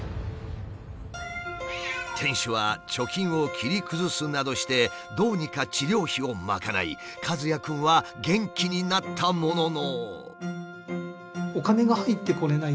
店主は貯金を切り崩すなどしてどうにか治療費を賄いかずやくんは元気になったものの。